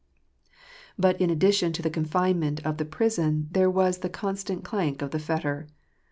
But in addition to the confinement of the prison, there was the constant clank of the fetter.